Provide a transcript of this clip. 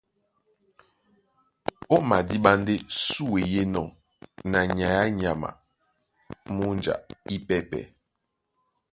Ó madíɓá ndé súe í enɔ́ na nyay á nyama a múnja ípɛ́pɛ̄.